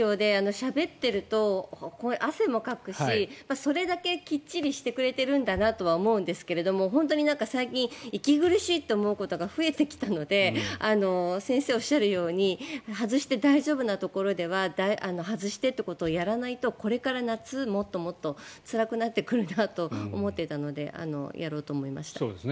しゃべってると汗もかくし、それだけきっちりしてくれてるんだなとは思うんですが本当に最近、息苦しいと思うことが増えてきたので先生がおっしゃるように外して大丈夫なところでは外してということをやらないとこれから夏はもっともっとつらくなってくるなと思っていたのでやろうと思いました。